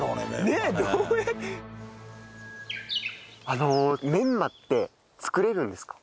あのメンマって作れるんですか？